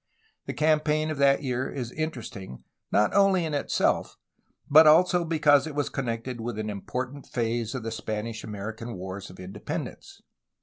The campaign of that year is interesting not only in itself but also because it was connected with an important phase of the Spanish American Wars of Independence.